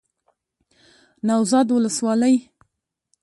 نوزاد ولسوالۍ